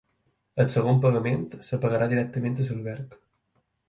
El segon pagament es pagarà directament a l'alberg.